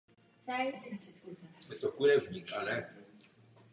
Jeho další hokejové kroky směřovaly do Švédska ve kterém strávil tři sezóny.